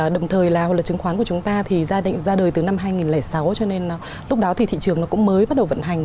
đồng thời là luật chứng khoán của chúng ta thì ra định ra đời từ năm hai nghìn sáu cho nên lúc đó thì thị trường nó cũng mới bắt đầu vận hành